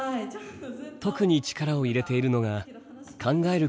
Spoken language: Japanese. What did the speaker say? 特に力を入れているのが考えることに特化した授業